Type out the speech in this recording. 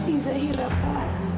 ini zahira pa